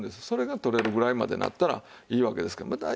それが取れるぐらいまでなったらいいわけですけども。